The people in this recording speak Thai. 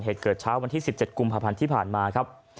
เหตุเกิดเช้าวันที่๑๗กุมภาพันธ์ที่ผ่านมาครับ